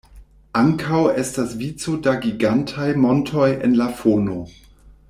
Ankaŭ estas vico da gigantaj montoj en la fono.